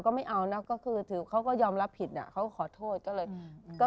ไม่เอานะก็คือถือเขาก็ยอมรับผิดอ่ะเขาขอโทษก็เลยก็